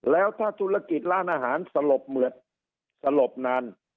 แล้วถ้าธุรกิจร้านอาหารสลบเหมือนสลบนาน